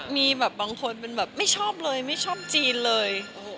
มีบางคนไม่ชอบเลยไม่ชอบจีนเลย